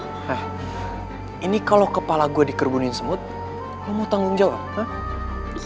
nah ini kalau kepala gue dikerbunin semut lo mau tanggung jawab